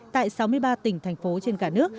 tại sáu mươi ba tỉnh thành phố trên cả nước